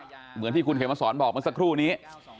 ทุกผู้ชมครับเหมือนที่คุณเขียนมาสอนบอกเมื่อสักครู่นี้